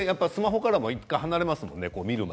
スマホからも離れますもんね。